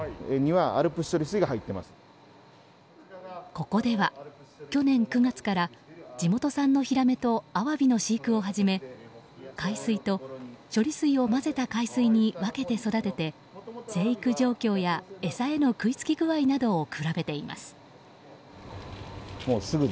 ここでは、去年９月から地元産のヒラメとアワビの飼育を始め海水と処理水を混ぜた海水に分けて育てて、生育状況や餌への食いつき具合などを比べています。